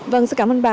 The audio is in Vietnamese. vâng xin cảm ơn bà